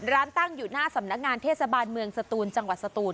ตั้งอยู่หน้าสำนักงานเทศบาลเมืองสตูนจังหวัดสตูน